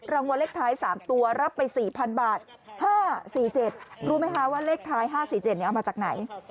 รางวัลเลขท้าย๓ตัวรับไป๔๐๐๐บาท๕๔๗รู้ไหมคะว่าเลขท้าย๕๔๗เอามาจากไหน